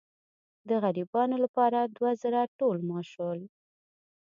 د غریبانو لپاره دوه زره ټول شول.